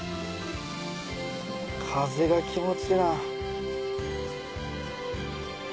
風が気持ちいいな。